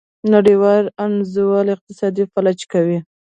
نړیوال انزوا اقتصاد فلج کوي.